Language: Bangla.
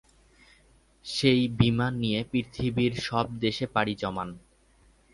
সেই বিমান নিয়ে পৃথিবীর সব দেশে পাড়ি জমান।